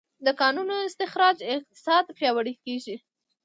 د کانونو استخراج اقتصاد پیاوړی کړ.